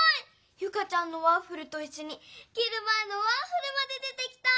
ユカちゃんのワッフルといっしょにきるまえのワッフルまで出てきた！